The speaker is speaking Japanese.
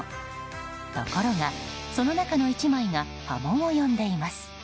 ところが、その中の１枚が波紋を呼んでいます。